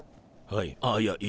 はい。